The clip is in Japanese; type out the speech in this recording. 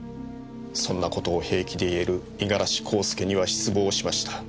そんなことを平気で言える五十嵐孝介には失望しました。